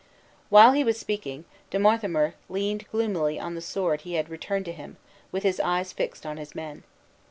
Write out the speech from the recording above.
While he was speaking, De Monthermer leaned gloomily on the sword he had returned to him, with his eyes fixed on his men.